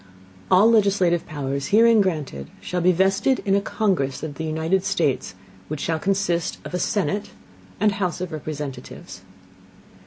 All legislative Powers herein granted shall be vested in a Congress of the United States, which shall consist of a Senate and House of Representatives.